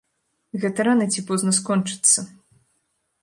Гэта рана ці позна скончыцца.